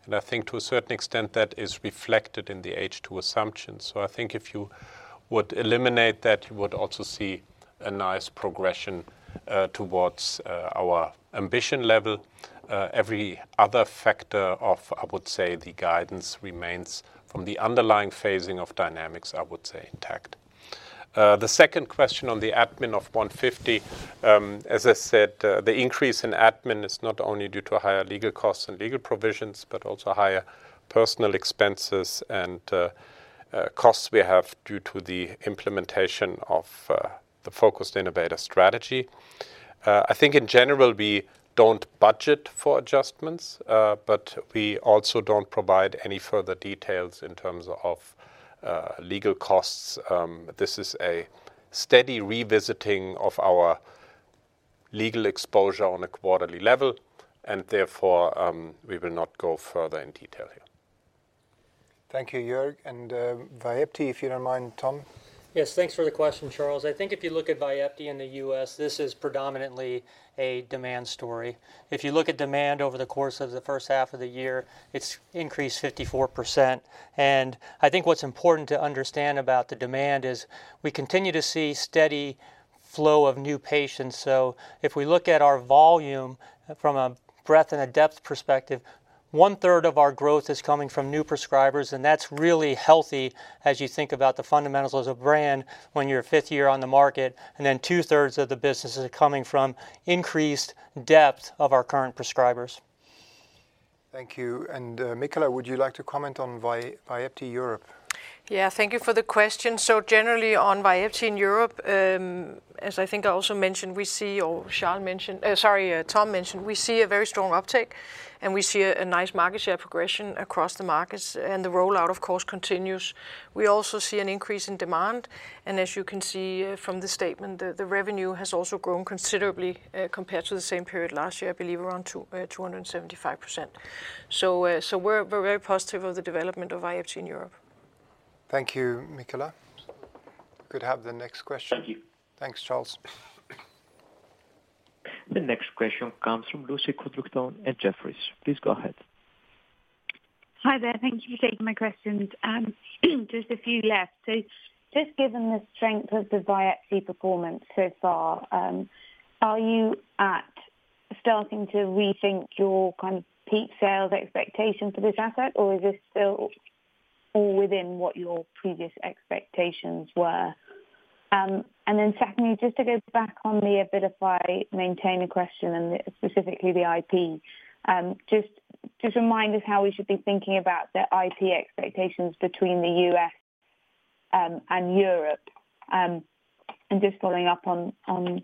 Speaker 6: And I think to a certain extent, that is reflected in the H2 assumptions.
Speaker 2: So I think if you would eliminate that, you would also see a nice progression towards our ambition level. Every other factor of, I would say, the guidance remains from the underlying phasing of dynamics, I would say, intact. The second question on the admin of 150, as I said, the increase in admin is not only due to higher legal costs and legal provisions, but also higher personnel expenses and costs we have due to the implementation of the focused innovator strategy. I think in general, we don't budget for adjustments, but we also don't provide any further details in terms of legal costs. This is a steady revisiting of our legal exposure on a quarterly level, and therefore, we will not go further in detail here. Thank you, Joerg. And, Vyepti, if you don't mind, Tom?
Speaker 3: Yes, thanks for the question, Charles. I think if you look at Vyepti in the U.S., this is predominantly a demand story. If you look at demand over the course of the first half of the year, it's increased 54%. And I think what's important to understand about the demand is we continue to see steady flow of new patients. So if we look at our volume from a breadth and a depth perspective, one-third of our growth is coming from new prescribers, and that's really healthy as you think about the fundamentals as a brand when you're fifth year on the market, and then two-thirds of the business is coming from increased depth of our current prescribers.
Speaker 2: Thank you. And, Michala, would you like to comment on Vyepti, Vyepti Europe?
Speaker 4: Yeah, thank you for the question. So generally, on Vyepti in Europe, as I think I also mentioned, we see or Charl mentioned, sorry, Tom mentioned, we see a very strong uptick, and we see a nice market share progression across the markets, and the rollout, of course, continues. We also see an increase in demand, and as you can see from the statement, the revenue has also grown considerably compared to the same period last year, I believe, around 275%. So, we're very positive of the development of Vyepti in Europe.
Speaker 2: Thank you, Michala. Could have the next question.
Speaker 9: Thank you.
Speaker 2: Thanks, Charles.
Speaker 1: The next question comes from Lucy Codrington at Jefferies. Please go ahead.
Speaker 10: Hi there. Thank you for taking my questions. Just a few left, so just given the strength of the Vyepti performance so far, are you starting to rethink your kind of peak sales expectation for this asset, or is this still all within what your previous expectations were, and then secondly, just to go back on the Abilify Maintena question and specifically the IP, just remind us how we should be thinking about the IP expectations between the U.S. and Europe, and just following up on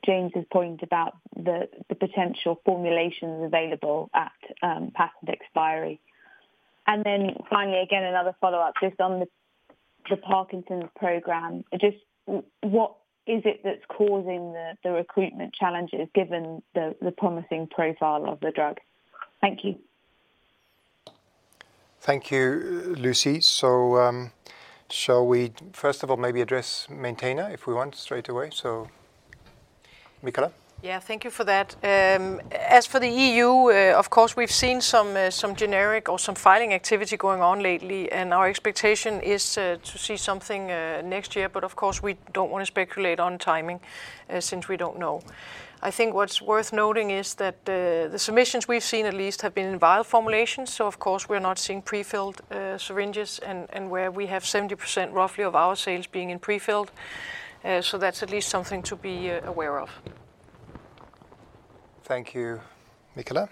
Speaker 10: James's point about the potential formulations available at patent expiry, and then finally, again, another follow-up, just on the Parkinson's program, just what is it that's causing the recruitment challenges, given the promising profile of the drug? Thank you.
Speaker 2: Thank you, Lucy. So, shall we first of all, maybe address Maintena, if we want, straight away? So, Michala.
Speaker 4: Yeah, thank you for that. As for the EU, of course, we've seen some generic or some filing activity going on lately, and our expectation is to see something next year, but of course, we don't want to speculate on timing since we don't know. I think what's worth noting is that the submissions we've seen at least have been in vial formulations, so of course, we're not seeing prefilled syringes, and where we have 70%, roughly, of our sales being in prefilled, so that's at least something to be aware of.
Speaker 2: Thank you, Michala.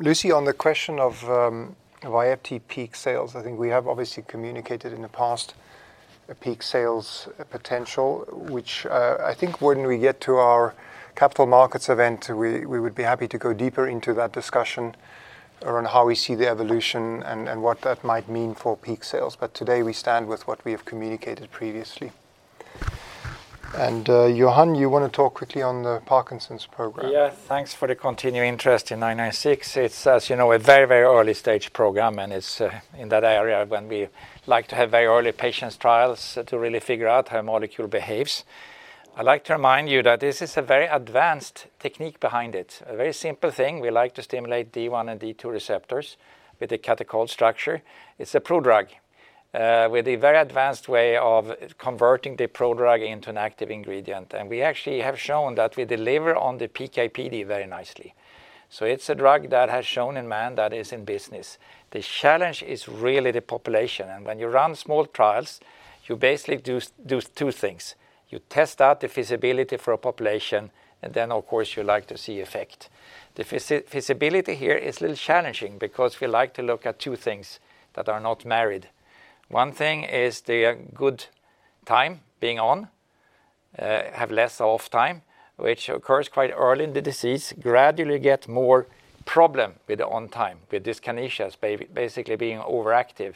Speaker 2: Lucy, on the question of Vyepti peak sales, I think we have obviously communicated in the past a peak sales potential, which I think when we get to our capital markets event, we would be happy to go deeper into that discussion around how we see the evolution and what that might mean for peak sales. But today, we stand with what we have communicated previously. And, Johan, you want to talk quickly on the Parkinson's program?
Speaker 5: Yeah, thanks for the continued interest in 996. It's, as you know, a very, very early stage program, and it's in that area when we like to have very early patients trials to really figure out how a molecule behaves. I'd like to remind you that this is a very advanced technique behind it. A very simple thing. We like to stimulate D1 and D2 receptors with a catechol structure. It's a prodrug with a very advanced way of converting the prodrug into an active ingredient, and we actually have shown that we deliver on the PK/PD very nicely. So it's a drug that has shown in man that is in business. The challenge is really the population, and when you run small trials, you basically do two things.
Speaker 2: You test out the feasibility for a population, and then, of course, you like to see effect. The feasibility here is a little challenging because we like to look at two things that are not married. One thing is the good time being on, have less off time, which occurs quite early in the disease. Gradually, get more problem with the on time, with dyskinesias, basically being overactive.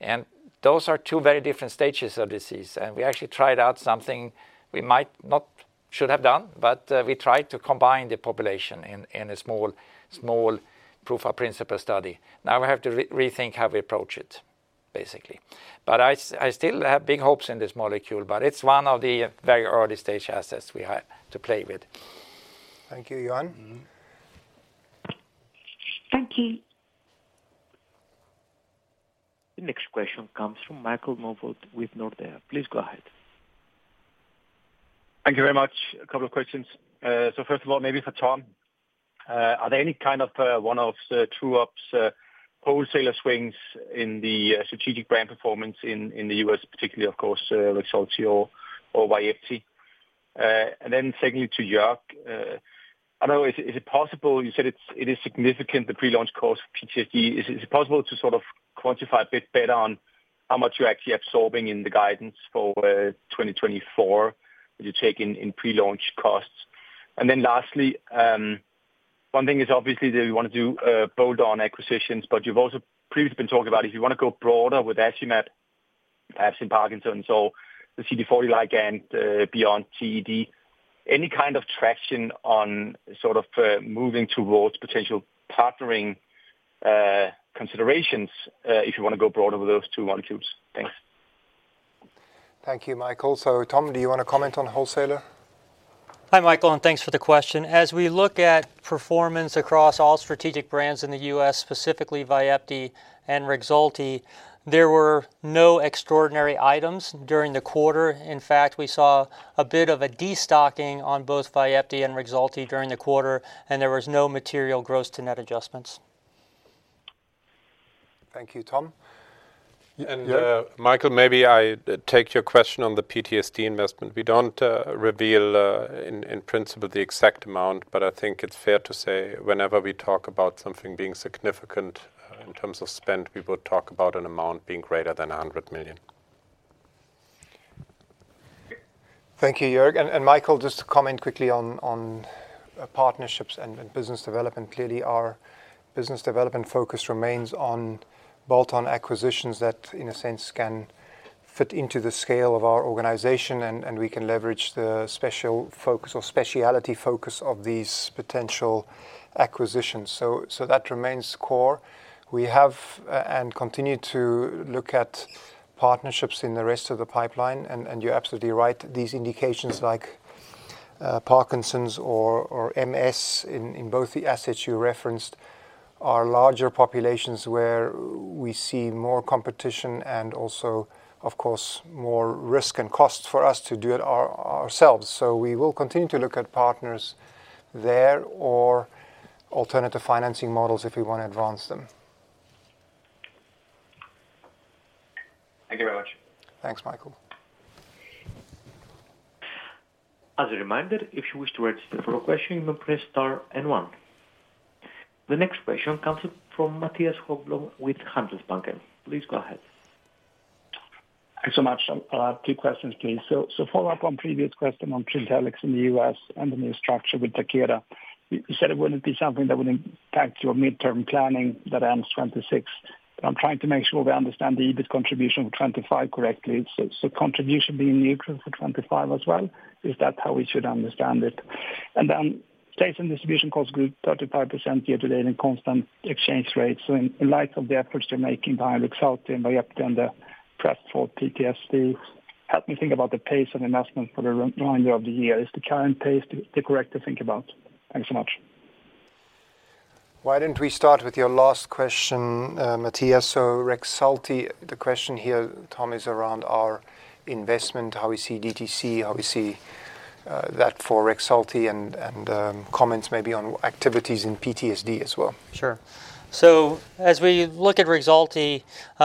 Speaker 2: And those are two very different stages of disease, and we actually tried out something we might not should have done, but we tried to combine the population in a small proof-of-principle study. Now we have to rethink how we approach it, basically. But I still have big hopes in this molecule, but it's one of the very early-stage assets we have to play with. Thank you, Johan.
Speaker 5: Mm-hmm.
Speaker 10: Thank you.
Speaker 1: The next question comes from Michael Novod with Nordea. Please go ahead.
Speaker 11: Thank you very much. A couple of questions. So first of all, maybe for Tom. Are there any kind of one-offs true-ups wholesaler swings in the strategic brand performance in the U.S., particularly, of course, Rexulti or Vyepti? And then secondly, to Joerg, I know, is it possible. You said it's significant, the pre-launch cost of PTSD. Is it possible to sort of quantify a bit better on how much you're actually absorbing in the guidance for 2024, that you take in pre-launch costs? And then lastly, one thing is obviously that you want to do bolt-on acquisitions, but you've also previously been talking about if you want to go broader with Asimtufii, perhaps in Parkinson's, so the CD40 ligand beyond TED.
Speaker 2: Any kind of traction on sort of moving towards potential partnering considerations if you want to go broader with those two molecules? Thanks. Thank you, Michael. So Tom, do you want to comment on wholesaler?
Speaker 3: Hi, Michael, and thanks for the question. As we look at performance across all strategic brands in the U.S., specifically Vyepti and Rexulti, there were no extraordinary items during the quarter. In fact, we saw a bit of a destocking on both Vyepti and Rexulti during the quarter, and there was no material gross to net adjustments.
Speaker 2: Thank you, Tom. Joerg?
Speaker 6: And, Michael, maybe I take your question on the PTSD investment. We don't reveal in principle the exact amount, but I think it's fair to say whenever we talk about something being significant in terms of spend, people talk about an amount being greater than 100 million.
Speaker 2: Thank you, Joerg. And Michael, just to comment quickly on partnerships and business development. Clearly, our business development focus remains on bolt-on acquisitions that, in a sense, can fit into the scale of our organization, and we can leverage the special focus or speciality focus of these potential acquisitions. So that remains core. We have and continue to look at partnerships in the rest of the pipeline, and you're absolutely right. These indications like Parkinson's or MS in both the assets you referenced, are larger populations where we see more competition and also, of course, more risk and cost for us to do it ourselves. So we will continue to look at partners there or alternative financing models if we want to advance them.
Speaker 11: Thank you very much.
Speaker 2: Thanks, Michael.
Speaker 1: As a reminder, if you wish to register for a question, you may press star and one. The next question comes from Mattias Häggblom with Handelsbanken. Please go ahead.
Speaker 12: Thanks so much. I'll have two questions, please. So follow up on previous question on Trintellix in the US and the new structure with Takeda. You said it wouldn't be something that would impact your midterm planning that ends 2026. I'm trying to make sure we understand the EBIT contribution of 2025 correctly. So contribution being neutral for 2025 as well, is that how we should understand it? And then sales and distribution costs grew 35% year to date in constant exchange rates. So in light of the efforts you're making by Rexulti and Vyepti and the press for PTSD, help me think about the pace and investment for the remainder of the year. Is the current pace the correct to think about? Thanks so much.
Speaker 2: Why don't we start with your last question, Mattias? So Rexulti, the question here, Tom, is around our investment, how we see DTC, how we see that for Rexulti, and comments maybe on activities in PTSD as well.
Speaker 3: Sure, so as we look at Rexulti,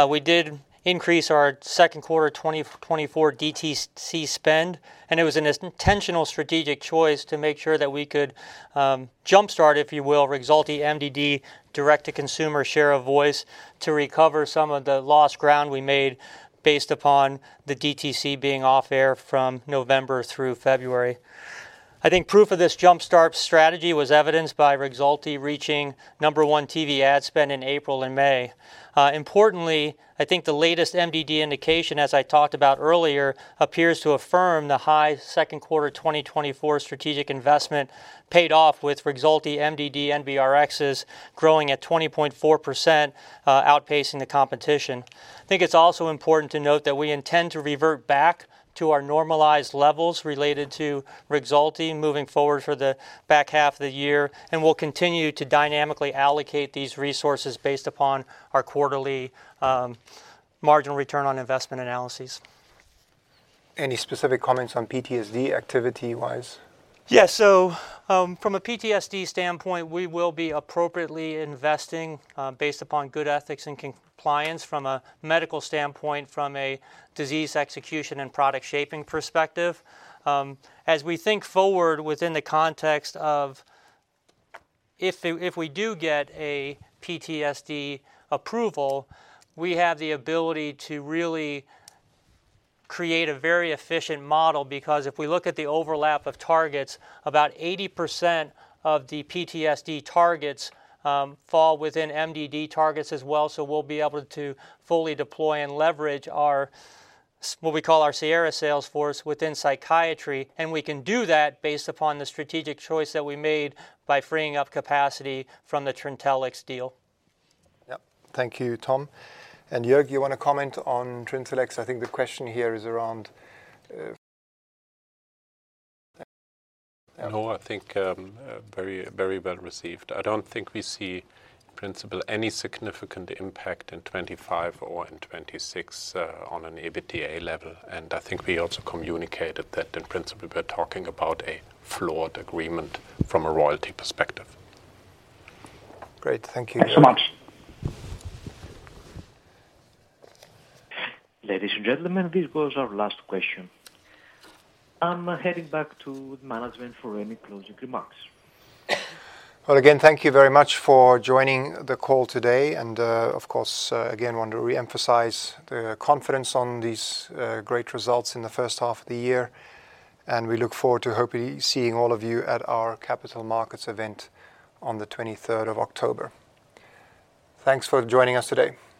Speaker 3: we did increase our second quarter 2024 DTC spend, and it was an intentional strategic choice to make sure that we could, jumpstart, if you will, Rexulti MDD, direct to consumer share of voice, to recover some of the lost ground we made based upon the DTC being off air from November through February. I think proof of this jumpstart strategy was evidenced by Rexulti reaching number one TV ad spend in April and May. Importantly, I think the latest MDD indication, as I talked about earlier, appears to affirm the high second quarter 2024 strategic investment paid off with Rexulti MDD NBRXs growing at 20.4%, outpacing the competition.
Speaker 2: I think it's also important to note that we intend to revert back to our normalized levels related to Rexulti moving forward for the back half of the year, and we'll continue to dynamically allocate these resources based upon our quarterly, marginal return on investment analyses. Any specific comments on PTSD activity-wise?
Speaker 3: Yeah. So, from a PTSD standpoint, we will be appropriately investing, based upon good ethics and compliance from a medical standpoint, from a disease execution and product shaping perspective. As we think forward within the context of if we, if we do get a PTSD approval, we have the ability to really create a very efficient model, because if we look at the overlap of targets, about 80% of the PTSD targets fall within MDD targets as well. So we'll be able to fully deploy and leverage our what we call our Sierra sales force within psychiatry, and we can do that based upon the strategic choice that we made by freeing up capacity from the Trintellix deal.
Speaker 2: Yep. Thank you, Tom. And Joerg, you want to comment on Trintellix? I think the question here is around,
Speaker 6: No, I think very, very well received. I don't think we see, in principle, any significant impact in 2025 or in 2026 on an EBITDA level, and I think we also communicated that in principle, we're talking about a floored agreement from a royalty perspective.
Speaker 2: Great. Thank you.
Speaker 12: Thanks so much.
Speaker 1: Ladies and gentlemen, this was our last question. I'm heading back to management for any closing remarks.
Speaker 2: Again, thank you very much for joining the call today, and, of course, again, want to reemphasize the confidence on these great results in the first half of the year, and we look forward to hopefully seeing all of you at our capital markets event on the 20-third of October. Thanks for joining us today.